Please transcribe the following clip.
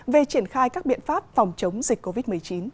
về triển khai các biện pháp phòng chống dịch covid một mươi chín